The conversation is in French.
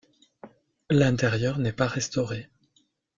L'intérieur n'est pas restauré.